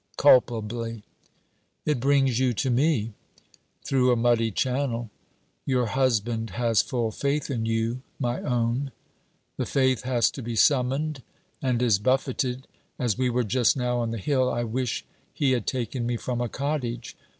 'Culpably.' 'It brings you to me.' 'Through a muddy channel.' 'Your husband has full faith in you, my own.' 'The faith has to be summoned and is buffeted, as we were just now on the hill. I wish he had taken me from a cottage.'